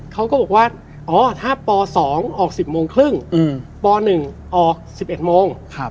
เขาก็บอกว่าอ๋อถ้าป๒ออก๑๐โมงครึ่งป๑ออก๑๑โมง